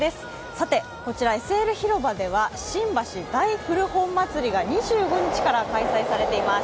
さて、こちらＳＬ広場では新橋大古本まつりが２５日から開催されています